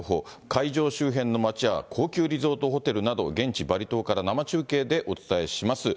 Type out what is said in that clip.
会場周辺の街や高級リゾートホテルなど、現地バリ島から生中継でお伝えします。